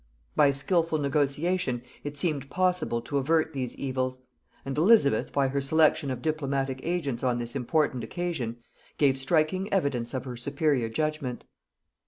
By skilful negotiation it seemed possible to avert these evils; and Elizabeth, by her selection of diplomatic agents on this important occasion, gave striking evidence of her superior judgement.